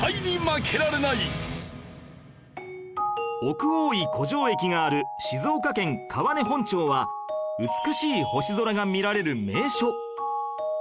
奥大井湖上駅がある静岡県川根本町は美しい星空が見られる名所